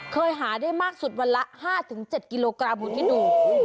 เคยหาได้มากสุดวันละ๕๗กิโลกรัมคุณคิดดู